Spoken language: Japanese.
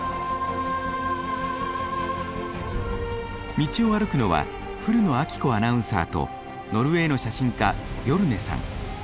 道を歩くのは古野晶子アナウンサーとノルウェーの写真家ビョルネさん。